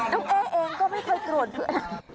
น้องเอ๊ะเองก็ไม่เคยกรวดเพื่อน